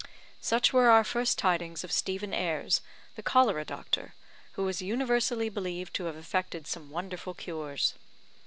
Such were our first tidings of Stephen Ayres, the cholera doctor, who is universally believed to have effected some wonderful cures.